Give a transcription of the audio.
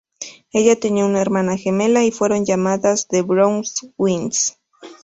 Ella tenía una hermana gemela, y fueron llamadas The Brown Twins.